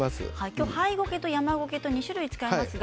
今日はハイゴケとヤマゴケの２種類、使いますね。